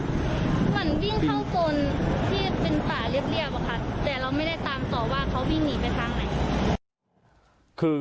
เหมือนวิ่งข้างบนที่เป็นป่าเรียบอะค่ะแต่เราไม่ได้ตามต่อว่าเขาวิ่งหนีไปทางไหน